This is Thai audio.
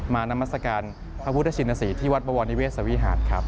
มานามัสการพระพุทธชินสีที่วัดบวรนิเวศวิหาร